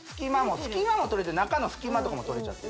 隙間もとれてる中の隙間とかもとれちゃって・